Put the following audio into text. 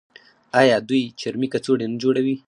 آیا دوی چرمي کڅوړې نه جوړوي؟